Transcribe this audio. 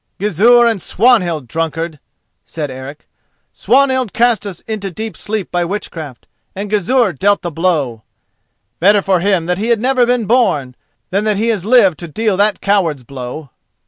"Gizur and Swanhild, drunkard," said Eric. "Swanhild cast us into deep sleep by witchcraft, and Gizur dealt the blow. Better for him that he had never been born than that he has lived to deal that coward's blow!"